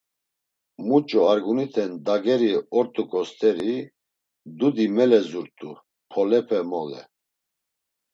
Muç̌o argunite ndageri ort̆uǩo st̆eri, dudi mele zurt̆u polepe mole…